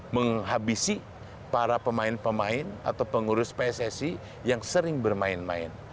menghabisi para pemain pemain atau pengurus pssi yang sering bermain main